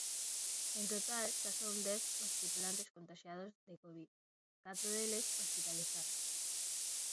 En total xa son dez os tripulantes contaxiados de covid, catro deles hospitalizados.